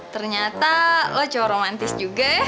ternyata lo cowok romantis juga ya